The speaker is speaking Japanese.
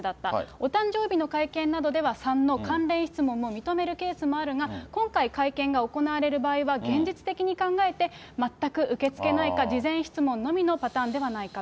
お誕生日の会見などでは３の関連質問も認めるケースもあるが、今回、会見が行われる場合は、現実的に考えて全く受け付けないか、事前質問のみのパターンではないかと。